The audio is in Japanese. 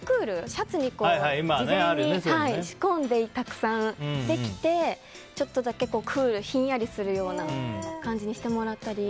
シャツに事前にたくさん仕込んで着て、ちょっとだけひんやりするような感じにしてもらったり。